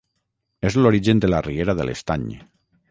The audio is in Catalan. És l'origen de la Riera de l'Estany.